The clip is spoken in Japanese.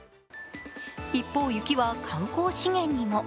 一方、雪は観光資源にも。